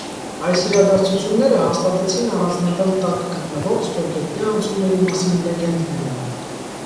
Այս իրադարձությունները հաստատեցին առանձնատան տակ գտնվող ստորգետնյա անցումների մասին լեգենդները։